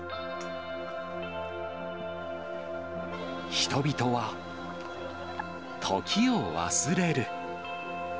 人々は、時を忘れる。